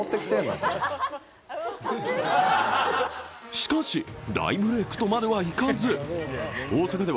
しかし、大ブレイクとまではいかず。